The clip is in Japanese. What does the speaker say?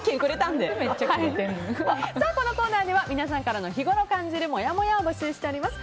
このコーナーでは皆さんから日ごろ感じるもやもやを募集しております。